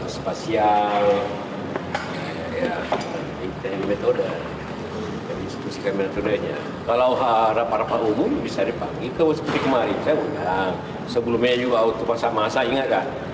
sebelumnya juga waktu masa masa ingat kan